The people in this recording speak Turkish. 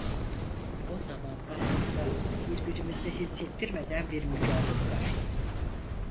O zaman aramızda birbirimize hissettirmeden bir mücadele başladı…